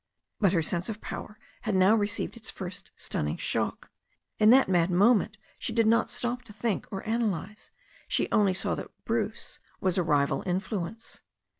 But her sense of jpower had now received its first stunning shock. In that mad moment she did not stop to think or analyze. She saw only that Bruce was a rival influence.